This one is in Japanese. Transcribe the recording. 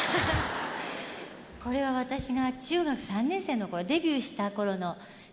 これは私が中学３年生の頃デビューした頃の写真なんですけども。